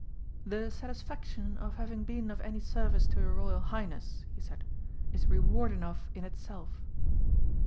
"The satisfaction of having been of any service to your Royal Highness," he said, "is reward enough in itself."